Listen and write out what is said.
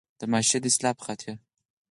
د معاشري د اصلاح پۀ خاطر ده